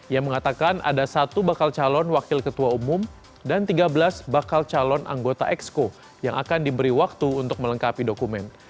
yang mengatakan ada satu bakal calon wakil ketua umum dan tiga belas bakal calon anggota exco yang akan diberi waktu untuk melengkapi dokumen